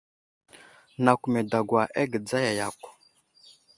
Nakw me dagwa aghe dzaya yakw.